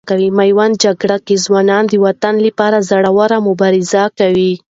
میوند جګړې کې ځوانان د وطن لپاره زړه ور مبارزه کوي.